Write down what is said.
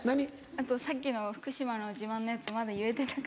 あとさっきの福島の自慢のやつまだ言えてなくて。